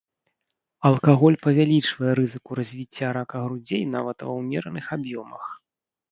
Алкаголь павялічвае рызыку развіцця рака грудзей нават ва ўмераных аб'ёмах.